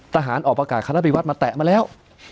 ทหารออกประกาศคณะปฏิวัติมาแตะมาแล้ว